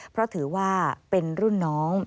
เพราะถือว่าเป็นรุ่นน้อง